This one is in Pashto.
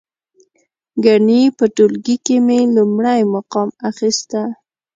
ګنې په ټولګي کې مې لومړی مقام اخسته.